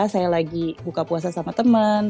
saya lagi buka puasa sama temen